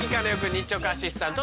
日直アシスタント